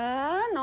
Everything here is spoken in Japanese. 何？